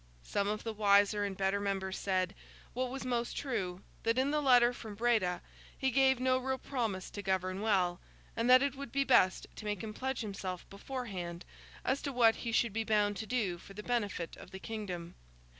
Some of the wiser and better members said—what was most true—that in the letter from Breda, he gave no real promise to govern well, and that it would be best to make him pledge himself beforehand as to what he should be bound to do for the benefit of the kingdom.